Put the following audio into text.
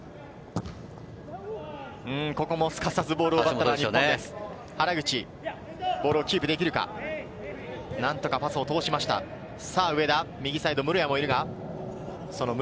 ここもすかさずボールを奪っていく日本です。